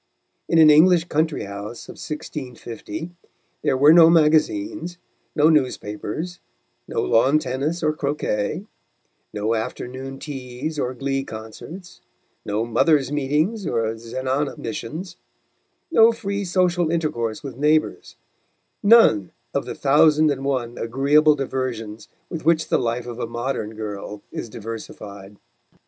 In an English country house of 1650, there were no magazines, no newspapers, no lawn tennis or croquet, no afternoon teas or glee concerts, no mothers' meetings or zenana missions, no free social intercourse with neighbours, none of the thousand and one agreeable diversions with which the life of a modern girl is diversified.